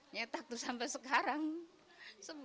nyetak tuh sampai sekarang